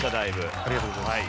ありがとうございます。